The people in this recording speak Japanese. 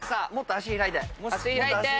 足開いて。